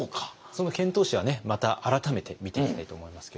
その遣唐使はねまた改めて見ていきたいと思いますけれども。